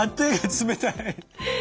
冷たい。